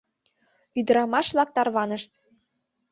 Ӱдырамаш-влак тарванышт.